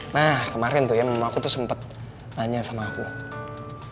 nah kemarin tuh ya mama aku tuh sempet nanya sama aku kenapa aku dipanggil bolot